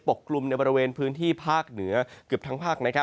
กลุ่มในบริเวณพื้นที่ภาคเหนือเกือบทั้งภาค